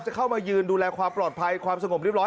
เข้ามายืนดูแลความปลอดภัยความสงบเรียบร้อ